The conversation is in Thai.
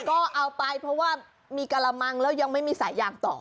ก็เอาไปเพราะว่ามีกระมังแล้วยังไม่มีสายยางต่อ